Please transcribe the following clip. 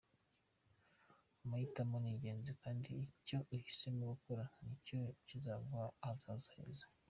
Amahitamo ni ingenzi kandi icyo uhisemo gukora ni cyo kizaguha ahazaza heza.